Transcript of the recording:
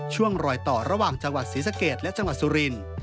ช่วงรอยต่อระหว่างจังหวัดศรีสะเกดและจังหวัดสุรินทร์